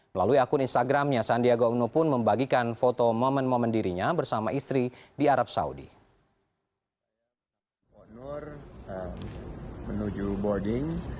melalui akun instagramnya sandiaga uno pun membagikan foto momen momen dirinya bersama istri di arab saudi